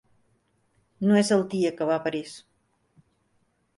No és el dia que va a París.